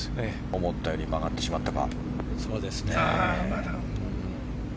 思ったより曲がってしまったか。